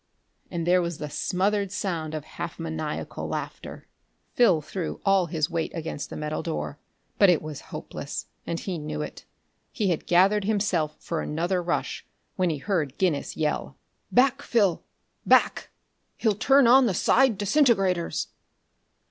And there was the smothered sound of half maniacal laughter.... Phil threw all his weight against the metal door, but it was hopeless and he knew it. He had gathered himself for another rush when he heard Guinness yell: "Back, Phil back! He'll turn on the side disintegrators!"